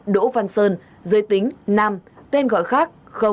hai đỗ văn sơn giới tính năm tên gọi khác